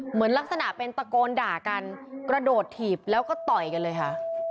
เหมือนลักษณะเป็นตะโกนด่ากันกระโดดถีบแล้วก็ต่อยกันเลยค่ะ